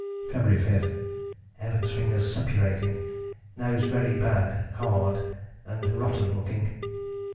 February 5: "Evans' fingers suppurating. Nose very bad [hard] and rotten looking."